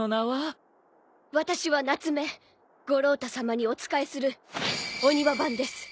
私はナツメ五郎太さまにお仕えするお庭番です。